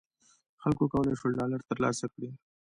خلکو کولای شول ډالر تر لاسه کړي.